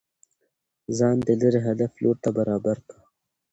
ځان د ليري هدف لور ته برابر كه